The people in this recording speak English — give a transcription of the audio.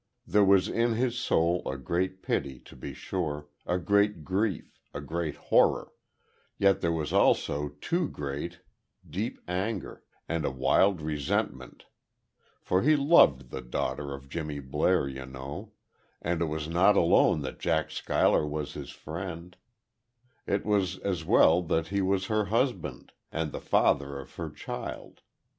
There was in his soul a great pity, to be sure a great grief a great horror yet there was there too a great, deep anger, and a wild resentment; for he loved the daughter of Jimmy Blair, you know; and it was not alone that Jack Schuyler was his friend; it was as well that he was her husband, and the father of her child.